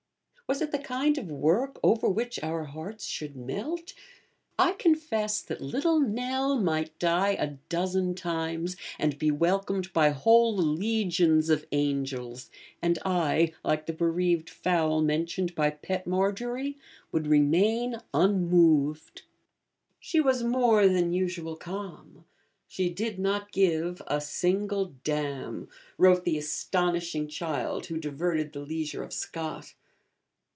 Was it the kind of work over which our hearts should melt? I confess that Little Nell might die a dozen times, and be welcomed by whole legions of Angels, and I (like the bereaved fowl mentioned by Pet Marjory) would remain unmoved. She was more than usual calm, She did not give a single dam, wrote the astonishing child who diverted the leisure of Scott.